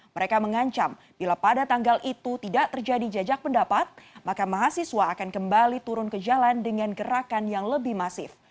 mereka mengancam bila pada tanggal itu tidak terjadi jajak pendapat maka mahasiswa akan kembali turun ke jalan dengan gerakan yang lebih masif